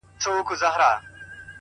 د هر قام چي يو ځل وېره له دښمن سي،